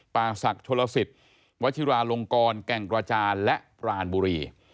ป่าศักดิ์โชลสิทธิ์วัชิราลงกรแก่งกระจานและปรานบุรี